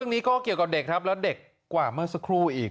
นี้ก็เกี่ยวกับเด็กครับแล้วเด็กกว่าเมื่อสักครู่อีก